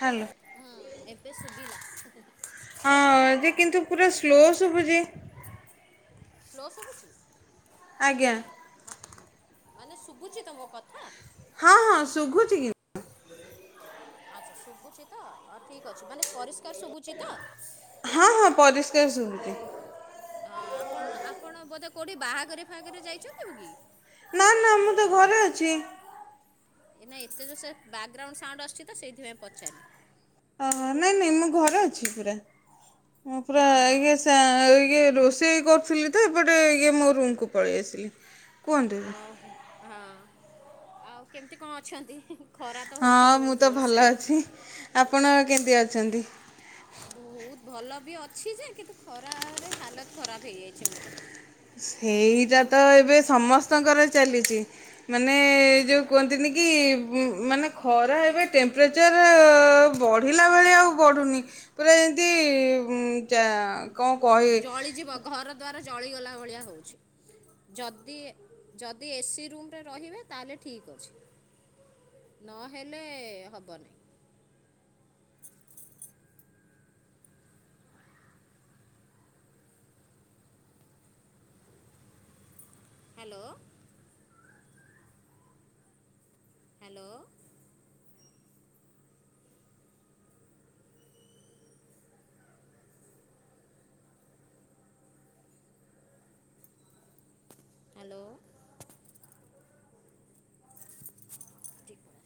Hello ହୁଁ ଏବେ ଶୁଭିଲା। ହଁ ଯେ ଏ କିନ୍ତୁ ପୁରା ସ୍ଲୋ ଶୁଭୁଚି। ସ୍ଲୋ ଶୁଭୁଛି? ଆଜ୍ଞା। ହ ମାନେ ଶୁଭୁଛି ତ ମୋ କଥା? ହଁ ହଁ ଶୁଘୁଛି। ଆଚ୍ଛା ଶୁଭୁଛି ତ? ଅ ଠିକ୍ ଅଛି। ମାନେ ପରିଷ୍କାର ଶୁଭୁଛି ତ? ହଁ ହଁ ପରିଷ୍କାର ଶୁଭୁଚି। ଅଁ ଆପଣ ଆପଣ ବୋଧେ କୋଉଠି ବାହାଘରିଆ ଫାହାଘରିଆ ଯାଇଛନ୍ତି ବକି? ନା ନା ମୁଁ ତ ଘରେ ଅଛି। ଏଇନା ଏତେ ଜୋରସେ ବ୍ୟାଗଗ୍ରାଉଣ୍ଡ ସାଉଣ୍ଡ ଆସୁଛି ତ ସେଇଥିପାଇଁ ପଚାରିଲି। ଅହ, ନାଇଁ ନାଇଁ ମୁଁ ଘରେ ଅଛି ପୁରା। ମୁଁ ପୁରା ଓହୋ ଏବିକା ଶ ଅବିକା ରୋଷେଇ ରୋଷେଇ କରୁଥିଲି ତ। ଏଇପଟେ ଇଏ ମୋ ରୁମ କୁ ପଳେଇ ଆସିଲି। କୁହନ୍ତୁ ଅହ, ହଁ ଆଉ କେମିତି କଣ ଅଛନ୍ତି? ଖରା ତ ହଁ ହଉଛି ମୁଁ ବହୁତ ତ ଭଲ ଜୋରସେ। ଅଛି ଆପଣ କେନ୍ତି ଅଛନ୍ତି? ବହୁତ ଭଲ ବି ଅଛି ଯେ, କିନ୍ତୁ ଖରାରେ ହାଲତ ଖରାପ ହେଇଯାଇଛି ମୋର। ସେଇଟା ତ ଏବେ ସମସ୍ତଙ୍କର ଚାଲିଛି। ମାନେ ଯୋଉ କୁହନ୍ତିନି କି କି ମାନେ ଖରା ଏବେ ଟେମ୍ପରେଚର୍ ବଢ଼ିଲା ଭଳିଆ ଆଉ ବଢ଼ୁନି। ପୁରା ଯେମିତି ଉଁ ଯା କଣ କହିବି? ଜଳିଯିବ ଘର ଦ୍ୱାର ଜଳିଗଲା ଭଳିଆ ହଉଛି। ଯଦି ଯଦି ଏସି ରୁମରେ ରହିବେ ତାହେଲେ ଠିକ ଅଛି। ନହେଲେ ହବନି? Hello hello hello